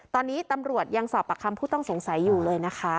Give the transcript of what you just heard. ตอนนี้ตำรวจยังสอบประคำผู้ต้องสงสัยอยู่เลยนะคะ